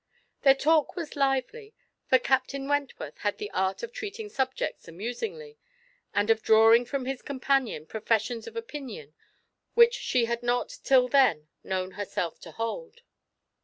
Their talk was lively, for Captain Wentworth had the art of treating subjects amusingly, and of drawing from his companion professions of opinion which she had not till then known herself to hold.